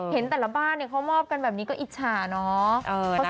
เห็นแต่ละบ้านเขามอบกันแบบนี้ก็อิจฉาเนาะ